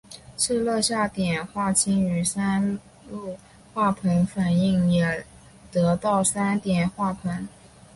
赤热下碘化氢与三氯化硼反应也得到三碘化硼。